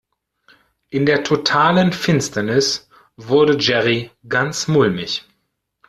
In der totalen Finsternis wurde Jerry ganz mulmig.